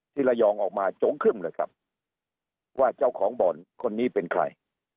ที่ระยองออกมาจงครึ่มเลยครับว่าเจ้าของบ่อนคนนี้เป็นใคร